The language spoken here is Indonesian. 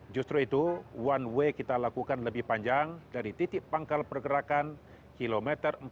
justru itu one way kita lakukan lebih panjang dari titik pangkal pergerakan kilometer empat puluh